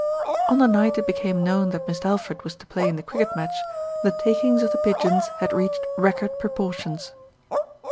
On the night it became known that Mist' Alfred was to play in the cricket match, the takings of The Pigeons had reached record proportions.